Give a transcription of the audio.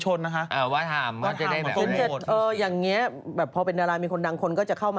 ชั้นถามเนี่ยคุณผู้ชายไม่มายใช่ไหม